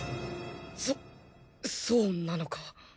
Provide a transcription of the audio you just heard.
そそうなのか？